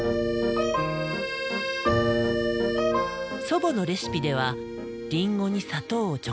祖母のレシピではリンゴに砂糖を直接かける。